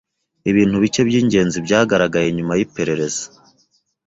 Ibintu bike byingenzi byagaragaye nyuma yiperereza.